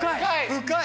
深い。